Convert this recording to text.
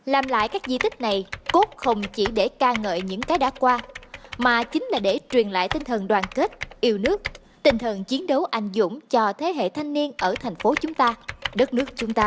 làm lại các di tích này cốt không chỉ để ca ngợi những cái đã qua mà chính là để truyền lại tinh thần đoàn kết yêu nước tinh thần chiến đấu anh dũng cho thế hệ thanh niên ở thành phố chúng ta đất nước chúng ta